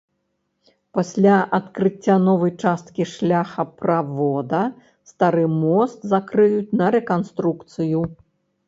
Пасля адкрыцця новай часткі шляхаправода стары мост закрыюць на рэканструкцыю.